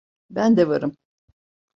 Ben de varım.